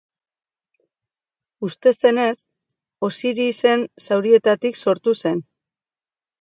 Uste zenez, Osirisen zaurietatik sortu zen.